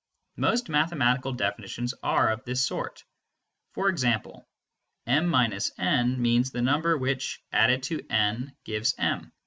Most mathematical definitions are of this sort; for example "m − n means the number which, added to n, gives m."